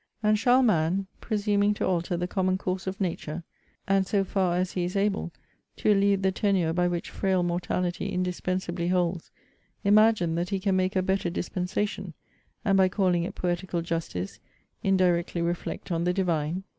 And shall man, presuming to alter the common course of nature, and, so far as he is able, to elude the tenure by which frail mortality indispensably holds, imagine that he can make a better dispensation; and by calling it poetical justice, indirectly reflect on the Divine?